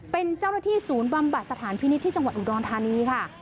เป็นเจ้าหน้าที่ศูนย์บำบัดสถานพินิษฐ์ที่จังหวัดอุดรธานีค่ะ